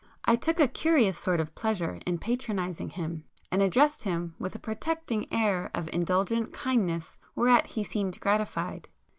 I took a curious sort of pleasure in patronizing him, and addressed him with a protecting air of indulgent kindness whereat he seemed gratified.